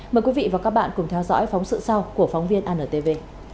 mời quý vị và các bạn cùng theo dõi phóng sự sau của phóng viên antv